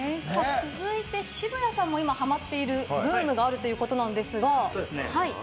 続いて、渋谷さんが今、ハマっているブームがあるそうですね。